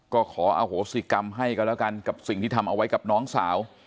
ก็ขออโหสิกรรมให้กันแล้วกันกับสิ่งที่ทำเอาไว้กับน้องสาว